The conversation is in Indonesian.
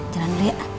jalan dulu ya